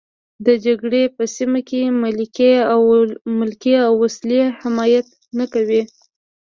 د جګړې په سیمه کې ملکي او ولسي حمایت نه کوي.